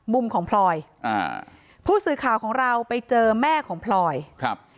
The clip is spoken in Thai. มุมของพลอยอ่าผู้สื่อข่าวของเราไปเจอแม่ของพลอยครับ